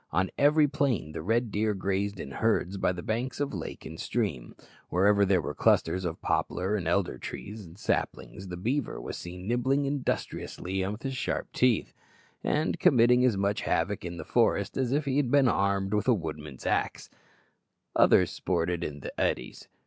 On every plain the red deer grazed in herds by the banks of lake and stream. Wherever there were clusters of poplar and elder trees and saplings, the beaver was seen nibbling industriously with his sharp teeth, and committing as much havoc in the forest as if he had been armed with the woodman's axe; others sported in the eddies.